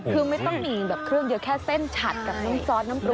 คือไม่ต้องมีแบบเครื่องเยอะแค่เส้นฉัดกับน้ำซอสน้ำปรุง